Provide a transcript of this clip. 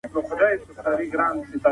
ګاونډی هیواد نظامي مداخله نه غواړي.